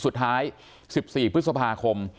สุดท้าย๑๔พฤษภาคม